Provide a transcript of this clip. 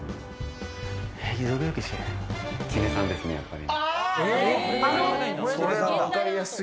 ＫＹＮＥさんですね、やっぱり。